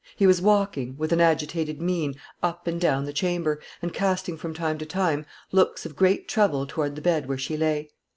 He was walking, with an agitated mien, up and down the chamber, and casting from time to time looks of great trouble toward the bed where she lay.